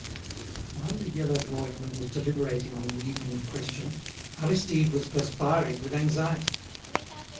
While the yellow drawing room was deliberating on the evening in question, Aristide was perspiring with anxiety.